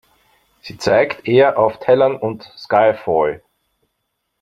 Sie zeigt er auf Tellern und Skyphoi.